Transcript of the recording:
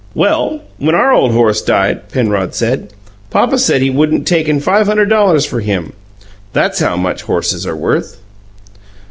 "Well, when our ole horse died," Penrod said, "Papa said he wouldn't taken five hunderd dollars for him. That's how much HORSES are worth!"